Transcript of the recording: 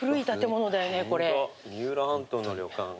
ホント三浦半島の旅館。